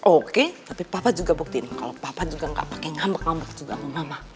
oke tapi papa juga buktiin kalau papa juga gak pake ngambek ngambek sama mama